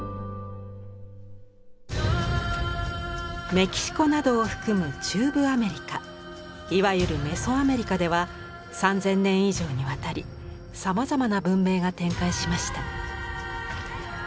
メキシコなどを含む中部アメリカいわゆるメソアメリカでは３０００年以上にわたりさまざまな文明が展開しました。